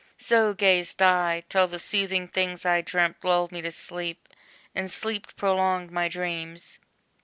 So gazed I, till the soothing things, I dreamt, Lulled me to sleep, and sleep prolonged my dreams!